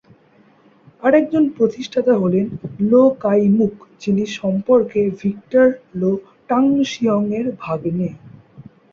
আরেকজন প্রতিষ্ঠাতা হলেন লো কাই-মুক যিনি সম্পর্কে ভিক্টর লো টাং-সিওং-এর ভাগ্নে।